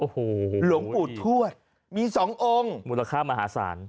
หลงอุดทวดมี๒องค์มูลค่ามหาศาล